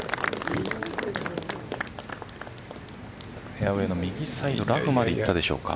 フェアウエーの右サイドラフまでいったでしょうか。